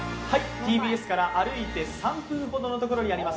ＴＢＳから歩いて３分ほどのところにあります